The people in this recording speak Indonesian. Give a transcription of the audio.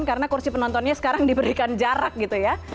karena kursi penontonnya sekarang diberikan jarak gitu ya